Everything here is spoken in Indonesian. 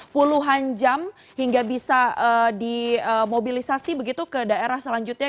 puluhan jam hingga bisa dimobilisasi begitu ke daerah selanjutnya